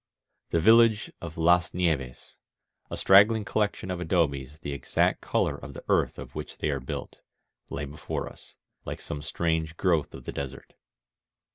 The village of Las Nieves, a straggling collection of adobes the exact color of the earth of which they are built, lay before us, like some strange growth of the desert.